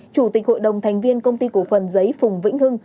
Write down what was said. chủ tịch hội đồng thành viên công ty cổ phần giấy phùng vĩnh hưng